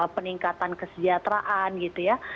peningkatan kesejahteraan gitu ya